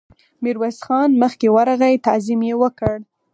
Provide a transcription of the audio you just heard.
ميرويس خان مخکې ورغی، تعظيم يې وکړ.